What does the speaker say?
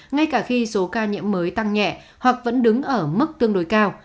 ngay cả khi số ca nhiễm mới tăng nhẹ hoặc vẫn đứng ở mức tương đối cao